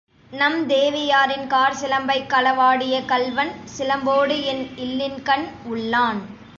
நம் தேவியாரின் காற்சிலம்பைக் களவாடிய கள்வன், சிலம்போடு என் இல்லின்கண் உள்ளான்.